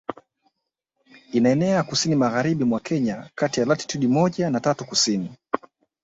Inaenea kusini magharibi mwa Kenya kati ya latitude moja na tatu Kusini